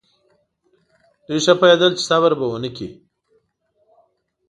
دوی ښه پوهېدل چې صبر به ونه کړي.